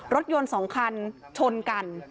รถยนต์๒คันชนกัน